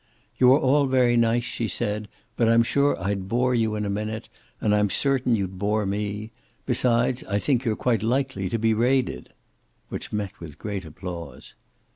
"You are all very nice," she said. "But I'm sure I'd bore you in a minute, and I'm certain you'd bore me. Besides, I think you're quite likely to be raided." Which met with great applause.